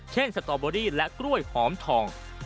เช่นสตอเบอร์บอรี่และกล้วยหอมทอง